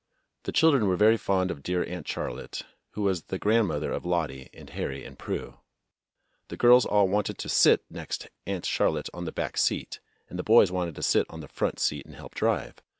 The children were very fond of dear Aunt Charlotte, who was the grandmother of Lottie A SAFE AND SANE FOURTH OF JULY 61 and Harry and Prue. The girls all wanted to sit next Aunt Charlotte on the back seat, and the boys wanted to sit on the front seat and help drive.